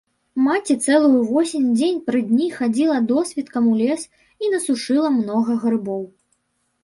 Маці цэлую восень дзень пры дні хадзіла досвіткам у лес і насушыла многа грыбоў.